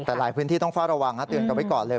แต่หลายพื้นที่ต้องเฝ้าระวังเตือนกันไว้ก่อนเลย